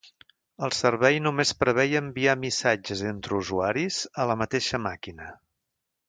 El servei només preveia enviar missatges entre usuaris a la mateixa màquina.